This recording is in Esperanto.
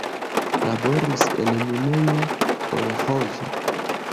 Laboris en minejo, kolĥozo.